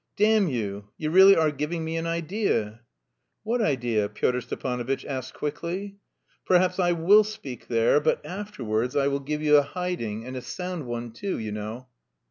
"Damn you, you really are giving me an idea!" "What idea?" Pyotr Stepanovitch asked quickly. "Perhaps I will speak there, but afterwards I will give you a hiding and a sound one too, you know."